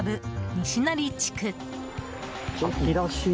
西成地区。